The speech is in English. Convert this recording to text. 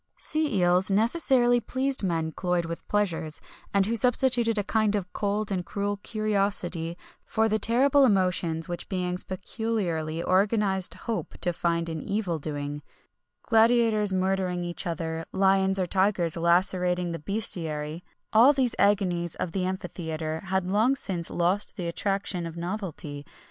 [XXI 62] Sea eels necessarily pleased men cloyed with pleasures, and who substituted a kind of cold and cruel curiosity for the terrible emotions which beings peculiarly organized hope to find in evil doing: gladiators murdering each other; lions or tigers lacerating the bestiarii; all these agonies of the amphitheatre had long since lost the attraction of novelty.